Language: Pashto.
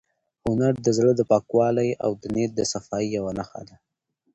هنر د زړه د پاکوالي او د نیت د صفایۍ یوه نښه ده.